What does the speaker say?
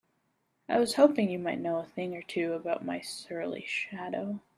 I was hoping you might know a thing or two about my surly shadow?